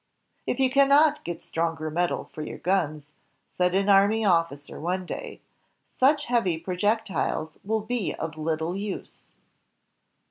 "If you cannot get stronger metal for your guns," said an army officer one day, "such heavy projectiles will be of little use."